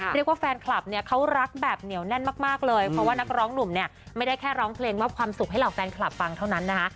เรียกว่าแฟนคลับเนี่ยเขารักแบบเหนียวแน่นมากเลยเพราะว่านักร้องหนุ่มเนี่ยไม่ได้แค่ร้องเพลงมอบความสุขให้เหล่าแฟนคลับฟังเท่านั้นนะคะ